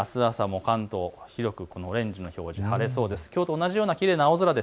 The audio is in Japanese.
あす朝、関東広くオレンジの表示、晴れそうです。